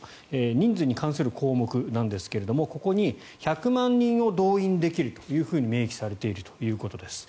人数に関する項目なんですがここに、１００万人を動員できるというふうに明記されているということです。